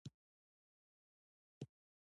څه یې پرېږدم؟